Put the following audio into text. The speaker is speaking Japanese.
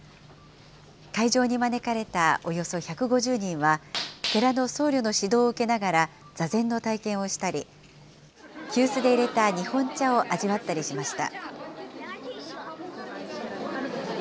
会場に招かれたおよそ１５０人は、寺の僧侶の指導を受けながら座禅の体験をしたり、急須でいれた日本茶を味わったりしました。